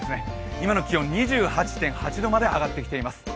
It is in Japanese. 今の気温２８．８度まで上がってきています。